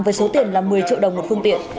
với số tiền là một mươi triệu đồng một phương tiện